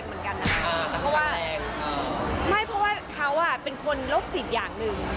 ไม่เพราะว่าเขาเป็นคนโลกจิตอย่างหนึ่ง